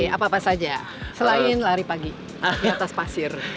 apa apa saja selain lari pagi di atas pasir